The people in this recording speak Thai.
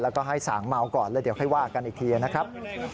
แล้วก็ให้สางเมาก่อนแล้วเดี๋ยวค่อยว่ากันอีกทีนะครับ